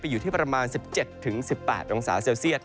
อยู่ที่ประมาณ๑๗๑๘องศาเซลเซียต